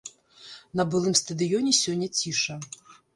На былым стадыёне сёння ціша.